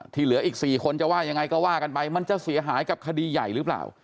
เหลืออีก๔คนจะว่ายังไงก็ว่ากันไปมันจะเสียหายกับคดีใหญ่หรือเปล่า